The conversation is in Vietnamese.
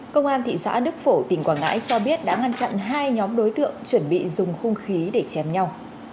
công an thị xã đức phổ tỉnh quảng ngãi cho biết đã ngăn chặn hai nhóm đối tượng chuẩn bị dùng hung khí để chém nhau